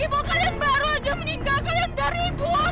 ibu kalian baru aja meninggal kalian dari ibu